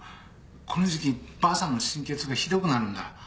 この時期ばあさんの神経痛がひどくなるんだ。